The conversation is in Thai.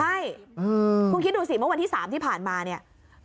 ใช่คุณคิดดูสิเมื่อวันที่๓ที่ผ่านมาเนี่ย